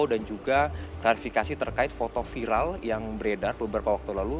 dan juga klarifikasi terkait foto viral yang beredar beberapa waktu lalu